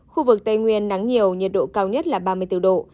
khu vực tây nguyên nắng nhiều nhiệt độ cao nhất là ba mươi bốn độ